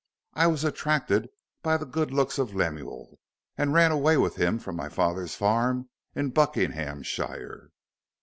I was attracted by the good looks of Lemuel, and ran away with him from my father's farm in Buckinghamshire."